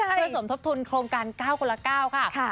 เพื่อสมทบทุนโครงการ๙คนละ๙ค่ะ